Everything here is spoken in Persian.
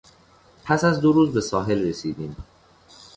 پس از دو روز به ساحل رسیدیم.